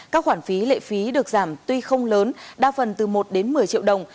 các khoản phí lệ phí được giảm tuy không lớn đa phần từ một đến một mươi triệu đồng